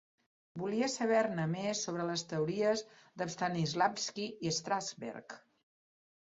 Volia saber-ne més sobre les teories de Stanislavski i Strasberg.